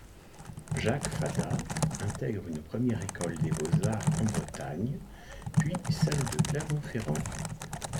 Jacques Fadat intègre une première école des Beaux-Arts en Bretagne, puis celle de Clermont-Ferrand.